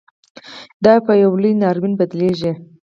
دا پـه يـو لـوى نـاوريـن بـدليږي.